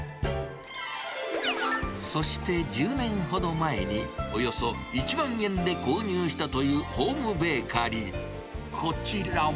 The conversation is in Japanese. そして１０年ほど前に、およそ１万円で購入したというホームベーカリー。